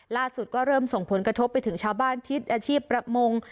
ล่าสุดเริ่มส่งผลกระทบไปถึงเช่าบ้านที่อาชีพประมง